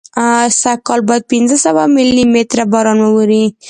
سږکال باید پینځه سوه ملي متره باران واوري.